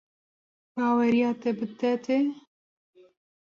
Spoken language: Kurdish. Baweriya te bi te tê.